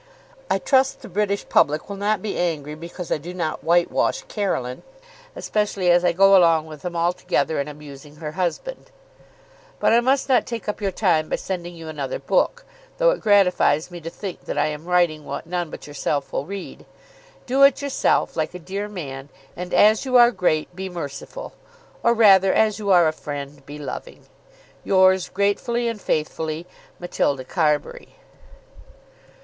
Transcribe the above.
I trust the British public will not be angry because I do not whitewash Caroline, especially as I go along with them altogether in abusing her husband. But I must not take up your time by sending you another book, though it gratifies me to think that I am writing what none but yourself will read. Do it yourself, like a dear man, and, as you are great, be merciful. Or rather, as you are a friend, be loving. Yours gratefully and faithfully, MATILDA CARBURY.